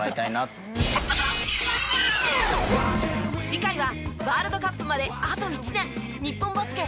次回はワールドカップまであと１年日本バスケ